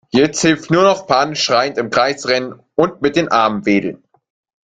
Jetzt hilft nur noch panisch schreiend im Kreis rennen und mit den Armen wedeln.